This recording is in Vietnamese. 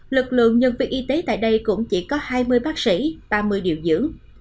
lực lượng nhân viên y tế tại đây cũng chỉ có hai mươi bác sĩ ba mươi điều dưỡng